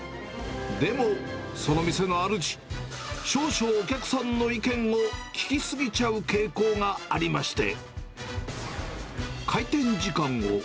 でも、その店のあるじ、少々お客さんの意見を聞き過ぎちゃう傾向がありまして。